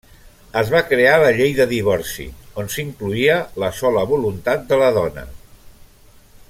Es va crear la llei de divorci, on s'incloïa la sola voluntat de la dona.